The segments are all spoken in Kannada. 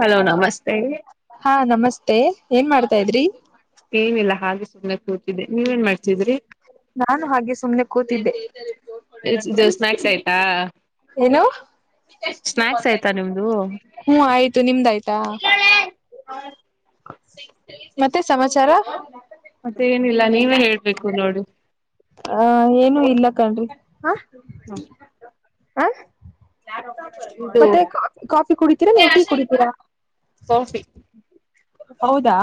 ಹಲೋ ನಮಸ್ತೆ ಹಾ ನಮಸ್ತೆ ಏನ್ ಮಾಡ್ತಾ ಇದ್ರಿ. ಏನಿಲ್ಲ ಹಾಗೆ ಸುಮ್ಮನೆ ಕೂತಿದ್ದೆ ನೀವ ಏನ್ ಮಾಡ್ತಿದ್ರಿ. ನಾನು ಹಾಗೆ ಸುಮ್ನೆ ಕೂತಿದ್ದೆ. ಇದು ಸ್ನಾಕ್ಸ್ ಆಯ್ತಾ ಏನು. ಸ್ನಾಕ್ಸ್ ಆಯ್ತಾ ನಿಮ್ದು ಹ್ಮ ಆಯ್ತು ನಿಮ್ದ ಆಯ್ತಾ. [inaudible] ಮತ್ತೆ ಸಮಾಚಾರ. ಮತ್ತೆ ಏನಿಲ್ಲ ನೀವೇ ಹೇಳ್ಬೇಕು ನೋಡು. ಹ ಏನು ಇಲ್ಲ ಕಣ್ರಿ. [inaudible] ಹ ಇದು ಮತ್ತೆ ಕಾಫಿ ಕುಡಿತೀರಾ ನೀವು ಟೀ ಕುಡಿತೀರಾ. ಕಾಫಿ. ಹೌದಾ.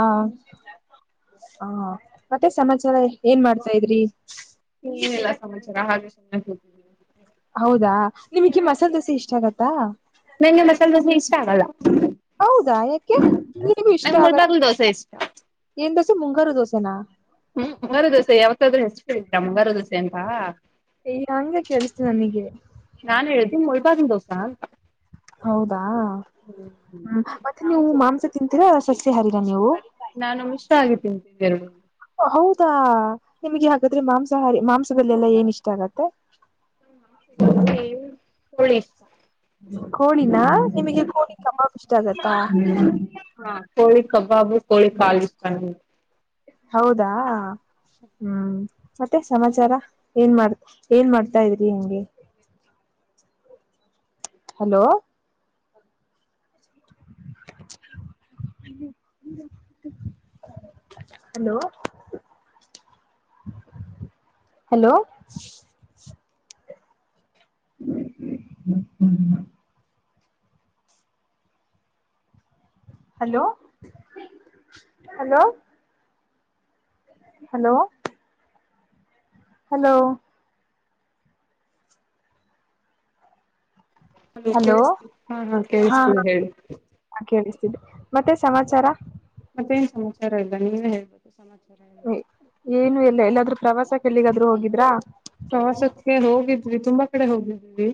ಹಾ ಮತ್ತೆ ಸಮಾಚಾರ ಏನ್ ಮಾಡ್ತಾ ಇದ್ರಿ. ಹ ಏನಿಲ್ಲ ಸಮಾಚಾರ ಹಾಗೆ ಸುಮ್ನೆ ಕೂತಿದೀನಿ. ಹೌದಾ ನಿಮಗೆ ಮಸಾಲೆ ದೋಸೆ ಇಷ್ಟ ಆಗತ್ತಾ. ನಂಗೆ ಮಸಾಲೆ ದೋಸೆ ಇಷ್ಟ ಆಗಲ್ಲ. ಹೌದಾ ಯಾಕೆ ಇಷ್ಟ ನಂಗೆ ಆಗ ಮುಳಬಾಗ್ಲು ದೋಸೆ ಇಷ್ಟ [inaudible] ಏನ್ ದೋಸೆ ಮುಂಗಾರು ದೋಸೆನಾ. ಹ್ಮ್ ಮುಂಗಾರು ದೋಸೆ ಯಾವತ್ತಾದ್ರೂ ಹೆಸರು ಕೇಳಿದ್ರ ಮುಂಗಾರು ದೋಸೆ ಅಂತ. ಈ ಹಂಗೆ ಕೇಳಿಸ್ತು ನನಗೆ ನಾನ್ ಹೇಳಿದ್ದು ಮುಲ್ಬಾಗ್ಲೂ ದೋಸಾ. ಹೌದಾ ಹ್ಮ ಮತ್ತೆ ನೀವು ಮಾಂಸ ತಿಂತೀರಾ ಸಸ್ಯಾಹಾರಿನಾ ನೀವು. ನಾನು ಮಿಕ್ಸ್ ಆಗಿ ತಿಂತೀನಿ ಎರಡು. ನಿಮ್ಗೆ ಹಾಗಾದ್ರೆ ಮಾಂಸಾಹಾರಿ ಮಾಂಸದಲೆಲ್ಲಾ ಏನ್ ಇಷ್ಟ ಆಗತ್ತೆ. ನಂಗೆ ಕೋಳಿ ಇಷ್ಟ. ಕೋಳಿನ ನಿಮಗೆ ಕೋಳಿ ಕಬಾಬ್ ಇಷ್ಟ ಆಗತ್ತಾ. ಹಾ ಕೋಳಿ ಕಬಾಬು ಕೋಳಿ ಕಾಲ್ ಇಷ್ಟ ನಂಗೆ. ಹೌದಾ. ಹ್ಮ್ ಮತ್ತೆ ಸಮಾಚಾರ ಏನ್ ಮಾಡ್ ಏನ್ ಮಾಡ್ತಾ ಇದ್ರಿ ಹೆಂಗೆ ಎ [unintelligible] ಹಲೋ ಹ [inaudible] ಹಲೋ ಹಲೋ ಹ್ಮ್ ಹ್ಮ ಹ್ಮ್ [unintelligible] hello hello [inaudible] hello hello hello ಹಾ ಕೇಳಸ್ತೀದೇಯ ಹಾ ಹಾ ಕೇಳಿಸ್ತಿದೆ ಹೇಳಿ ಕೇಳಿಸ್ತಿದೆ ಮತ್ತೆ ಸಮಾಚಾರ ಮತ್ತೇನ್ ಸಮಾಚಾರ ಇಲ್ಲ ನೀವೇ ಹೇಳಬೇಕು ಏನು ಎಲ್ಲ ಎಲ್ಲಾದ್ರೂ ಪ್ರವಾಸಕ್ಕೆ ಎಲ್ಲಿಗಾದ್ರೂ ಹೋಗಿದ್ರಾ ಪ್ರವಾಸಕ್ಕೆ ಹೋಗಿದ್ವಿ ತುಂಬಾ ಕಡೆ ಹೋಗಿದ್ವಿ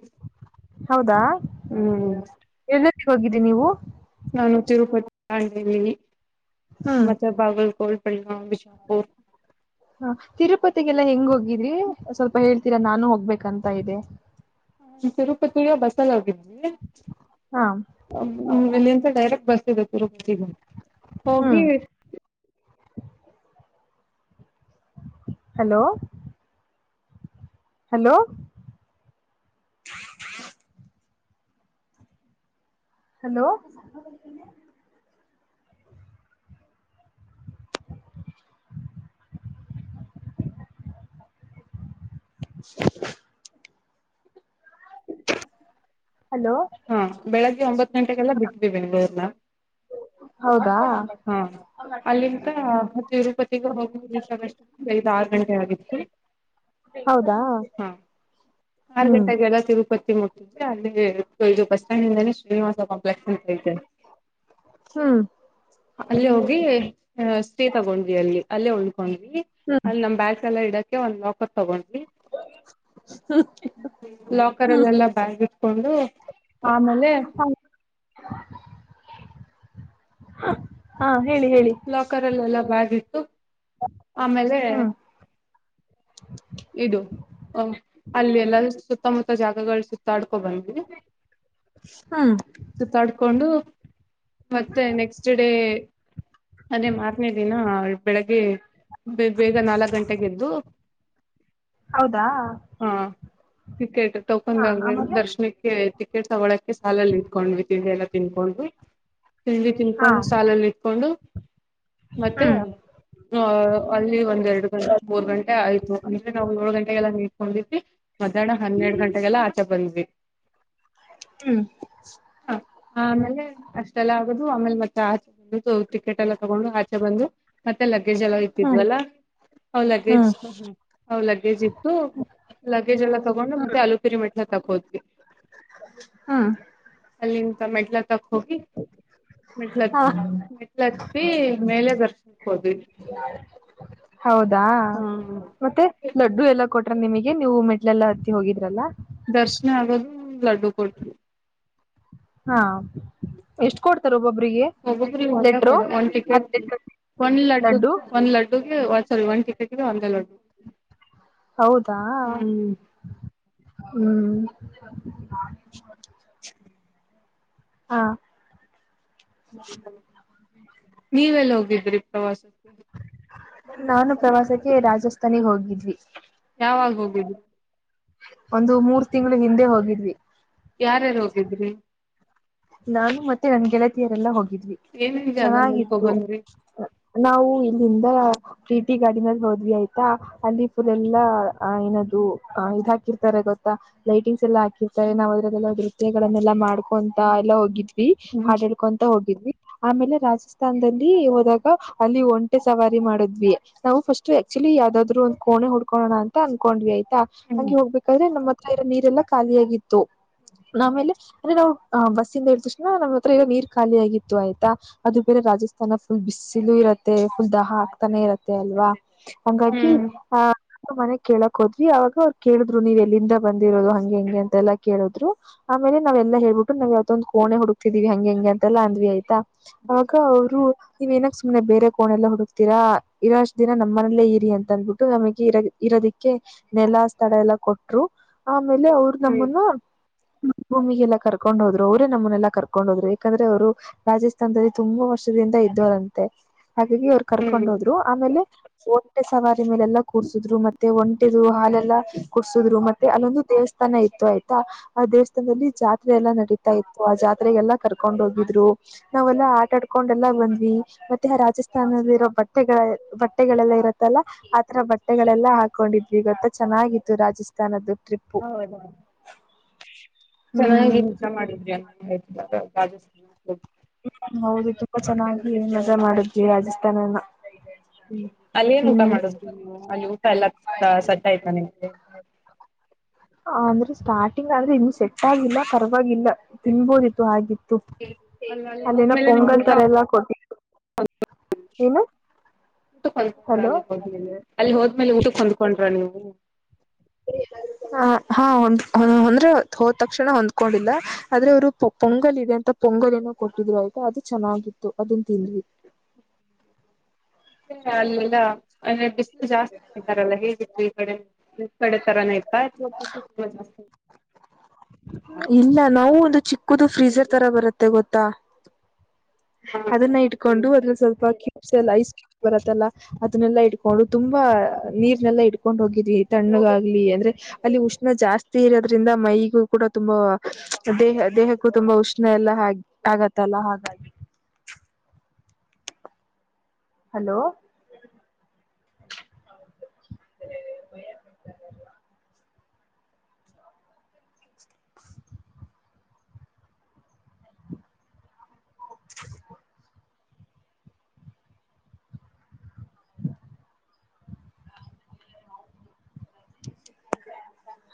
ಹೌದಾ ಹ್ಮ್ ಎಲ್ಲಕ್ಕೆ ಹೋಗಿದ್ದಿರಿ ನೀವು ನಾನು ತಿರುಪತಿ ಹೋಗಿದ್ದೀನಿ ಹ್ಮ್ ಮತ್ತೆ ಬಾಗಲ್ಕೋಟ್ ಪ ವಿಚ [unintelligible] ಹ ತಿರುಪತಿಗೆಲ್ಲಾ ಹೆಂಗ ಹೋಗಿದ್ರಿ ಸ್ವಲ್ಪ ಹೇಳ್ತೀರಾ ನಾನು ಹೋಗ್ಬೇಕಂತ ಇದೆ ಹ ತಿರುಪತಿ ಬಸ್ಸಲ್ಲಿ ಹೋಗಿದ್ವಿ ಹಾ ಹ್ಮ ಇಲ್ಲಿಂದ ಡೈರೆಕ್ಟ್ ಬಸ್ ಇದೆ ತಿರುಪತಿಗೆ ಹ್ಮ್ ಹೋಗಿ ಹಲೋ ಹಲೋ [inaudible] ಹಲೋ [unintelligible] ಹಲೋ ಹಾ ಬೆಳಿಗ್ಗೆ ಒಂಬತ್ ಗಂಟೆಗೆಲ್ಲ ಬಿಿದ್ವಿ ಬೆಂಗಗಳೂರ್ನ ಹೌದಾ ಹಾ ಅಲ್ಲಿಂತ ತಿರುಪತಿ ಇಲ್ಲಿಂದ ಹೋಗಿ ರೀಚ್ ಆಗಷ್ಟ್ರಲ್ಲಿ ಆರು ಗಂಟೆ ಆಗಿತ್ತು ಹೌದಾ ಹಾ ಆರು ಹ್ಮ್ ಗಂಟೆಗೆಲ್ಲ ತಿರುಪತಿ ಮುಟ್ಟಿದ್ವಿ ಅಲ್ಲಿ ಈೋ ಬಸ್ ಸ್ಟ್ಯಾಂಡ್ ಅಂದೆ ಶ್ರೀನಿವಾಸ ಕಂಪ್ಲೆಕ್ಸ್ ಹ್ಮ್ ಅಲ್ಲಿ ಹೋಗಿ ಸ್ಟೇ ತಗೊಂಡ್ವಿ ಅಲ್ಲಿ ಅಲ್ಲೇ ಉಳ್ಕೊಂಡ್ವಿ ಹ್ಮ್ ಅಲ್ಲಿ ನಮ್ ಬ್ಯಾಾಗ ಎಲ್ಲ ಇಡಕ್ಕೆ ಒಂದ್ ಲಾಕರ್ ತಗೊಂಡಿ ಲಾಕರ್ ಅಲ್ಲೆಲ್ಲ ಬ್ಯ ಇಟ್ಕೊಂಡು ಆಮೇಲೆ ಹಾ ಹೇಳಿ ಹೇಳಿ ಲಾಕರ್ ಅಲ್ಲೆಲ್ಲ ಬ್ಯಾಗ್ ಇಟ್ಟು ಆಮೇಲೆ ಹ್ಮ್ ಇದು ಹ ಅಲ್ಲಿ ಎಲ್ಲ ಸುತ್ತಮುತ್ತ ಜಾಗಗಳು ಸುತ್ತಾಡ್ಕೊ ಬಂದ್ವಿ ಹ್ಮ್ ಸುತ್ತಾಡ್ಕೊಂಡು ಮತ್ತೆ ನೆಕ್ಸ್ಟ್ ಡೇ ಅದೇ ಮಾರ್ನೇ ದಿನ ಬೆಳಿಗ್ಗೆ ಬೇಗ ನಾಲ್ಕ್ ಗಂಟೆೆಗೆದ್ದು ಹೌದಾ ಆ ಟಿಕೆಟ್ ಹಾ ತಟಕೊಂಡಾಗ ಆಮೇಲೆ ದರ್ಶನಕ್ಕೆ ಟಿಕೆಟ್ ಸಗಳಕ್ಕೆೆ ಸಾಲಲ್ಲಿ ಇಂಕೊಂಡ್ಲ್ಲ ತಿನ್ಕೊಂಡು ತಿಂಡಿ ಹಾ ತಿನ್ಕೊಂಡು ಸಾಲಲ್ಲಿ ಇಟ್ಕೊಂಡು ಮತ್ತೆ ಹ್ಮ್ ಆ ಅಲ್ಲಿ ಒಂದ ಎರಡು ಗಂಟೆ ಮೂರ್ ಗಂಟೆ ಆಐ್ ಅಂದ್ರೆ ನಾವು ಏಳ್ು [unintelligible] ಗಂಟೆಗೆಲ್ಲ ನಿಡ್ಕೊಂಡಿದ್ವಿ ಮಧ್ಯಾಹ್ನ ಹನ್ನೆರಡು ಗಂಟೆಗೆಲ್ಲ ಆಚೆ ಬಂದ್ವಿ ಹ್ಮ್ ಹ ಆಮೇಲೆ ಅಷ್ಟೆಲ್ಲ ಆಗದು ಆಮೇಲೆ ಮತ್ತೆ ಆಚೆ ಬ ಟಿಕೆಟ್ ಎಲ್ಲ ತಗೊಂಡು ಆಚೆ ಬಂದು ಮತ್ತೆ ಲ್ ಎಲ್ಲ ಹ್ಮ್ ಇತಿದ್ವಲ್ಲ್ ಲಗೇಜ್ ಹ್ಮ್ ಲಗೇಜ್ ಇತ್ತು ಲಗೇಜ್ ಎಲ್ಲ ತಗೊಂಡು ಮತ್ತೆ ಅಲಲುಪಿರಿ ಮೆಟ್ಟ ತಗೋದ್ವಿ ಹ್ಮ್ ಅಲ್ಲಿಂದ ಮೆಟ್ಲ ತಕ್ ಹೋಗಿ ಮೇಟ್ಲ ಹಾ ಮೇಟ್ಲ ಮೇಲೆ ದರ್ಶನಕ್ ಹೋದ್ವಿ ಹಾ ಮತ್ತೆ ಲಡ್ಡು ಎಲ್ಲಾ ಕೊಟ್ರ ನಿಮಗೆ ನೀವು ಮೆಟ್ಲೆಲ್ಲಾ ಹತ್ತಿ ಹೋಗಿದ್ರಲ್ಲ ದರ್ಶನ ಆಗೋದು ಲಡ್ಡು ಕೊಟ್ಟರು ಹಾ ಎಷ್ಟು ಕೊಡ್ತಾರು ಹೋಗ್ರಿ ಒಂದ ಕೊಡ ಒಂದ್ ಟಿಕೆಟ್ ಒಂದ್ ಲಡ್ಡು ಒಂದ್ ಲಡ್ಡುಗೆ ಸಲ್ ಒನ್ ಟಿಕಟ್ ಒಂದೆ ಲಡ್ಡು ಹೌದಾ ಹ್ಮ್ ಹ್ಮ್ ಹಾ ನೀವೆಲ್ಲ ಹೋಗಿದ್ರಿ ಪ್ರವಾಸಕ್ಕೆ ನಾನು ಪ್ರವಾಸಕ್ಕೆ ರಾಜಸ್ಥಾನಿಗೆ ಹೋಗಿದ್ವಿ ಯಾವಾಗ ಹೋಗೀದು ಒಂದು ಮೂರ್ ತಿಂಗಳು ಹಿಂದೆ ಹೋಗಿದ್ವಿ ಯಾರ್ಯಾರು ಹೋಗಿದ್ರಿ ನಾನು ಮತ್ತೆ ನನ್ ಗೆಳತಿಯರೆಲ್ಲ ಹೋಗಿದ್ವಿ ಏನೇನ್ ಜಾಗ ನೋಡ್ಕೊ ಚೆನ್ನಾಗಿತ್ತು ಬಂದ್ರಿ ನಾವು ಇಲ್ಲಿಂದ ಪ್ರೀಟಿ ಗಾರ್ಡನ್ ಅಲ್ಲಿ ಹೋದ್ವಿ ಆಯ್ತಾ ಅಲ್ಲಿ ಫುಲ್ ಎಲ್ಲಾ ಏನ ಅದು ಹ ಇದು ಹಾಕಿರ್ತಾರೆ ಗೊತ್ತಾ ಲೈಟಿಂಗ್ಸ್ ಎಲ್ಲಾ ಹಾಕಿರ್ತಾರೆ ನಾವ್ ಅದ್ರಲ್ಲ ನೃತ್ಯಗಳನ್ನೆಲ್ಲಾ ಮಾಡ್ಕೊಂಡ ಎಲ್ಲ ಹೋಗಿದ್ವಿ ಹ್ಮ್ ಹಾಡ್ ಹೇಳ್ಕೊಂತ ಹೋಗಿದ್ವಿ ಆಮೇಲೆ ರಾಜಸ್ಥಾನದಲ್ಲಿ ಹೋದಾಗ ಅಲ್ಲಿ ಒಂಟೆ ಸವಾರಿ ಮಾಡಿದ್ವಿ ನಾವು ಫಸ್ಟ್ ಇ ಯಾವ್ದಾದ್ರು ಒಂದು ಕೋಣೆ ಹೂಡ್ಕೋಣ ಅನ್ಕೊಂಡ್ವಿ ಆ ಹ್ಮ್ ಹಗೆ ಹೋಗ್ಬೇಕಾದ್ರೆ ನಮ್ಮ ಹತ್ರ ನೀರೆಲ್ಲಾ ಖಾಲಿಯಾಗಿತ್ತು ಆಮೇಲೆ ಅಂದ್ರೆ ನಾವು ಆ ಬಸ್ಸಿಂದ ಇ ಹೇಳ್ದ ತಕ್ಷಣ ನಮ್ಮ ಹತ್ರ ಎಲ್ಲ ನೀರ್ ಖಾಲಿ ಆಗತ್ತು ಆಯ್ತಾ ಅದು ಬೇರೆ ರಾಜಸ್ತಾನ ಫುಲ್ ಬಿಸಿಲು ಇ ಫುಲ್ ದಾಹಾ ಹಾಕ್ತಾನೆ ಇರುತ್ತೆ ಅಲ್ವಾ ಹಂಗಾಗಿ ಹ್ಮ್ ಆಹ ಮನೆಗ್ ಕೇಳಕ ಹೋದ್ವಿ ಅವಾಗ ಅವ್ರು ಕೇಳಿದ್ರು ನೀವ ಎಲ್ಲಿಂದ ಬಂದಿರೋದು ಹಂಗೆ ಹಿಂಗೆ ಅಂತೆಲ್ಲ ಕೇಳಿದ್ರು ಲೆವಲ್ಲ ಹಳ್ಬೇಕು ನಾವ್ ಯಾವ್ದೊಂದ್ ಕೋಣೆ ಹುಡುಕ್ತಿದಿವವಿ ಹಂಗೆ ಹಿಂಗೆ ಅಂತೆಲ್ಲಾ ಅಂದ್ವಿ ಆಯ್ತಾ ಆಗ ಅವ್ರು ನೀವ್ಏನಕ್ಕೆ ಸುಮ್ನೆ ಬೇರೆ ಕೋಣೆಲ್ಲ ಹುಡುಕ್ತೀರಾ ಇರೊಷ್ಟ ದಿನ ನಮ್ಮ ಮನಲ್ಲೇ ಇರಿ ಅಂತ ಅಂದ್ಬಿಟ್ಟು ನಮಗೆ ಇರ ಅದಕ್ಕೆ ನೆಲ ಸ್ಥಳ ಎಲ್ಲ ಕೊಟ್ಟರು ಆ ಆ ಮೇಲೆ ಅವರು ನಮ್ಮನ್ನು ಭೂಮಿಗೆಲ್ಲ ಕರ್ ಕರ್ಕೊಂಡ್ ಹೋದ್ರು ಅವ್ರೇ ನಮ್ಮನ್ನೆಲ್ಲಾ ಕರ್ಕೊಂಡ್ ಹೋದ್ರು ಯಾಕಂದ್ರೆ ಅವ್ರು ರಾಜಸ್ಥಾನದಲ್ಲಿ ತುಂಬಾ ವರ್ಷದಿಂದ ಇದ್ದವರಂತೆ ಹಾಗಾಗಿ ಅವ್ರು ಕರ್ಕೊಂಡ್ ಹ್ಮ್ ಹೋದ್ರು ಆಮೇಲೆ ಒಂಟೆ ಸವಾರಿ ಮೇಲೆಲ್ಲಾ ಕೂಡ್ಸಿದ್ರು ಮತ್ತೆ ಒಂಟೆದು ಹಾಲೆಲ್ಲ ಕುಡ್ಸುದ್ರು ಮತ್ತೆ ಅಲ್ಲೊಂದು ದೇವಸ್ಥಾನ ದೇವಸ್ಥಾನ ಇತ್ತು ಆಯ್ತ ಆ ದೇವಸ್ಥಾನದಲ್ಲಿ ಜಾತ್ರೆ ನಡೀತಾ ಇತ್ತು ಆ ಜಾತ್ರೆಗೆಲ್ಲಾ ಕರ್ಕೊಂಡ್ ಹೋಗಿದ್ರು ನಾವೆಲ್ಲಾ ಆಟ ಆಡ್ಕೊಂಡೆಲ್ಲಾ ಬಂದ್ವಿ ಮ ಮತೇ ರಾಜಸ್ಥಾನದಲ್ಲಿ ಇರೋ ಬಟ್ಟೆಗಳ ಬಟ್ಟೆಗಳೆಲ್ಲ ಇರತ್ತಲ್ಲ ಆತರ ಬಟ್ಟೆಗಳೆಲ್ಲ ಹಾಕೊಂಡಿದ್ವಿ ಈ ಗತ್ತ ಚೆನ್ನಾಗಿತ್ತು ರಾಜಸ್ಥಾನದ್ದು ಟ್ರಿಪ್ಪು ಹೌದೌ ಹ್ಮ್ ಚೆನ್ನಾಗಿ ಎಂಜಾಯ್ ಮಾಡಿದ್ರಿ ಅನ್ನಗ ಆಯಿತು ರಾಜಸ್ಥಾನ [unintelligible] ಹೌದು ತುಂಬಾ ಚೆನ್ನಾಗಿ ಮಜಾ ಮಾಡಿದ್ವಿ ರಾಜಸ್ಥಾನಾನ ಹ್ಮ ಅಲ್ಲಿ ಏನ್ ಊಟ ಮಾಡುದ ಅಲ್ಲಿ ಊ ಎಲ್ಲ [unintelligible] ಸಟ್ ಆಯ್ತಾ ನಿಮಗೆ ಅಂದ್ರೆ ಸ್ಟಾರ್ಟಿಂಗ್ ಆದ್ರೆ ಇನ್ನು ಸೆಟ್ ಆಗಿಲ್ಲ ಪರವಾಗಿಲ್ಲ ತಿನ್ಬೋದಿತ್ತು ಹಾಗಿತ್ತು ಪ್ಪ ಅಲ್ಲ ಅಲ್ಲಿ ಅಲ್ಲಿನ ಹೋದ್ಮೇಲೆ ನಿಮ್ಗೆ ಪೊಂಗಲ್ ಊಟ ತರ ಎಲ್ಲಾ ಕೊಟ್ಟಿತ್ತು ಏನು ಊಟ ಹೊಂದ್ಕೊಂಡ್ರ ಹಲೋ ಅಲ್ಲಿ ಹೋಮೇಲೆ ಅಲ್ಲಿ ಹೋದ್ಮೇಲೆ ಊಟ ಹೊಂದ್ಕೊಂಡ್ರ ನೀವು. ಹ ಹ ಅಂದ್ರೆ ಹೋದ್ ತಕ್ಷಣ ಹೊಂದ್ಕೊಂಡಿಲ್ಲ ಆದ್ರೆ ಅವರು ಪೊಂಗಲ್ ಇದೆ ಅಂತ ಪೊಂಗಲ್ ಅವರೆನೋ ಕೊಟ್ಟಿದ್ರು ಆಯ್ತಾ ಅದು ಚೆನ್ನಾಗಿತ್ತು ಅದನ್ ತಿಂದ್ವಿ ಮೆ ಅಲ್ಲಲ್ಲ ಅಂದೆ ಬಿಸಿಲು ಜಾಸ್ತಿರಲ್ಲ ಹೇಗಿತ್ತು ಈ ಕಡೆ ಈ ಕಡೆ ತರಾನೆಯತ ಇ ಕುದು ಫ್ರೀಜರ್ ತರ ಬರುತ್ತೆ ಗೊತ್ತಾ ಹಾ ಅದನ್ನ ಇಟ್ಕೊಂಡು ಹ್ಮ್ ಅದ್ರ ಸ್ವಲ್ಪ ಕ್ಯೂಬ್ಸ್ ಐಸ್ ಕ್ಯ ಬರತ್ತಲ್ಲ ಅದನ್ನಲ್ಲ ಇಟ್ಕೊಂಡು ತುಂಬಾ ನೀರ್ನೆಲ್ಲಾ ಇಟ್ಕೊಂಡ್ ಹೋಗಿದರಿ ತಣ್ಣಗ ಆಗ್ಲಿ ಅಂದ್ರೆ ಅಲ್ಲಿ ಉಷ್ಣ ಜಾಸ್ತಿ ಇರೋದ್ರಿಂದ ಮೈಗೂ ಕೂಡ ತುಂಬಾ ದೇಹ ದೇಹಕ್ಕೂ ತುಂಬಾ ಉಷ್ಣ ಎಲ್ಲ ಹಾಗ ಆಗತ್ತಲ್ಲ ಹಾಗಾಗಿ ಹಲೋ ಅ ಹ್ಮ್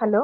ಹಲೋ